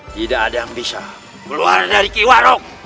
tidak ada yang bisa keluar dari kiwaruk